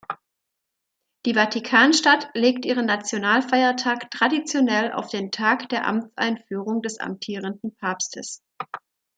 Die Vatikanstadt legt ihren Nationalfeiertag traditionell auf den Tag der Amtseinführung des amtierenden Papstes.